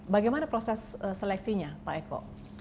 bagaimana proses seleksinya pak eko